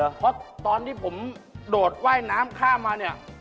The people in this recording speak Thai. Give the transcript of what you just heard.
เพราะตอนที่ผมโดดว่ายน้ำข้ามมาเนี่ย